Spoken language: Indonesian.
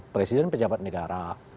presiden pejabat negara